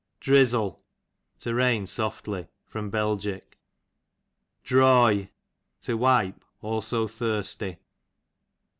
Drizzle, to raiti softly. Bel. Droy, to wipe, also thirsty.